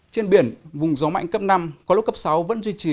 trên biển vùng gió mạnh cấp năm có lúc cấp sáu vẫn duy trì